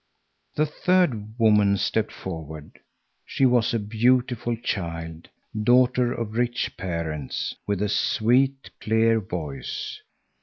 The third woman stepped forward. She was a beautiful child, daughter of rich parents, with a sweet, clear voice.